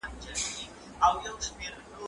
زه اوس کالي وچوم.